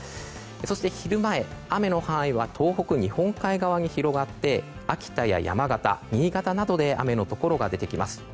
そして昼前、雨の範囲は東北、日本海側に広がって秋田や山形、新潟などで雨のところが出てきます。